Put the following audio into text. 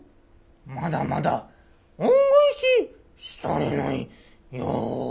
まだまだ恩返しし足りないよ。